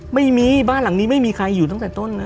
ไม่มีบ้านหลังนี้ไม่มีใครอยู่ตั้งแต่ต้นนะ